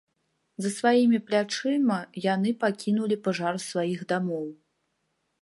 За сваімі плячыма яны пакінулі пажар сваіх дамоў.